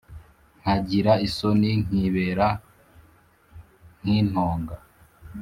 Nkagira isoni nkibera nkintonga